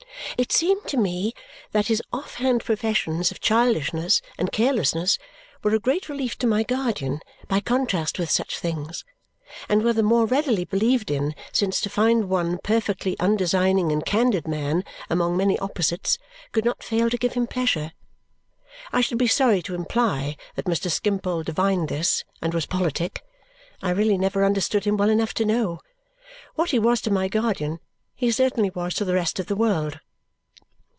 It seemed to me that his off hand professions of childishness and carelessness were a great relief to my guardian, by contrast with such things, and were the more readily believed in since to find one perfectly undesigning and candid man among many opposites could not fail to give him pleasure. I should be sorry to imply that Mr. Skimpole divined this and was politic; I really never understood him well enough to know. What he was to my guardian, he certainly was to the rest of the world.